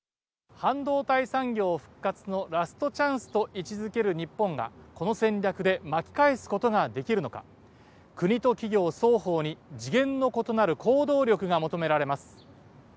半導体産業の復活のラストチャンスと位置付ける日本がこの戦略で巻き返すことができるのか、国と企業、双方に次元の異なる行動力が求められます。